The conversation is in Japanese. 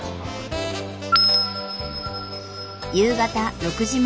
夕方６時前。